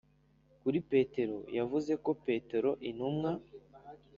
kuri petero, yavuze ko petero intumwa